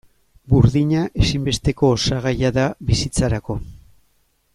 Burdina ezinbesteko osagaia da bizitzarako.